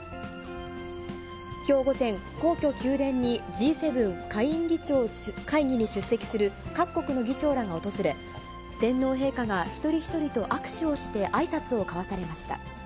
きょう午前、皇居・宮殿に、Ｇ７下院議長会議に出席する各国の議長らが訪れ、天皇陛下が一人一人と握手をしてあいさつを交わされました。